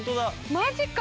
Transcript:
マジか。